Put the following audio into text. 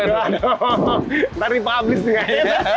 aduh nanti di publis nih